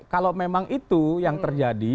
kalau memang itu yang terjadi